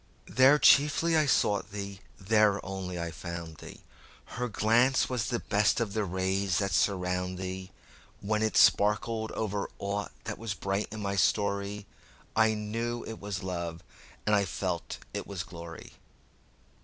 There chiefly I sought thee, there only I found thee; Her glance was the best of the rays that surround thee; When it sparkled o'er aught that was bright in my story,I knew it was love, and I felt it was glory.